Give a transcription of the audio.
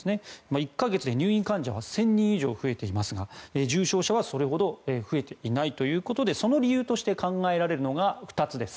１か月で入院患者が１０００人以上増えていますが重症者はそれほど増えていないということでその理由として考えられるのが２つです。